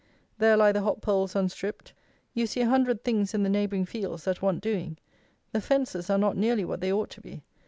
There lie the hop poles unstripped. You see a hundred things in the neighbouring fields that want doing. The fences are not nearly what they ought to be.